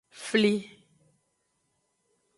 Fli.